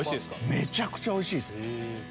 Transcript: めちゃくちゃおいしい。